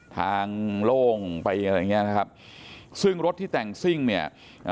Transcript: ทางโล่งไปอะไรอย่างเงี้ยนะครับซึ่งรถที่แต่งซิ่งเนี่ย